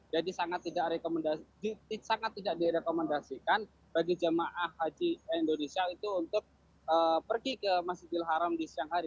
jadi sangat tidak direkomendasikan bagi jemaah haji indonesia itu untuk pergi ke mas bilharam di siang hari